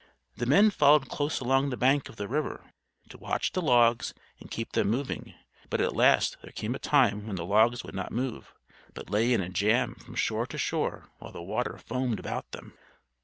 The men followed close along the bank of the river, to watch the logs and keep them moving; but at last there came a time when the logs would not move, but lay in a jam from shore to shore while the water foamed about them.